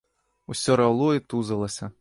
Усё раўло і тузалася.